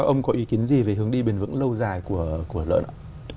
ông có ý kiến gì về hướng đi bền vững lâu dài của lợn ạ